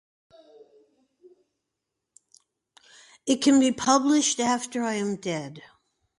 It can be published after I am dead.